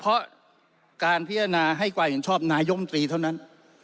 เพราะการพิจารณาให้ความเห็นชอบนายมตรีเท่านั้น